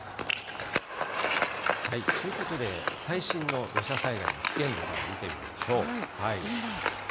ということで、最新の土砂災害の危険度から見てみましょう。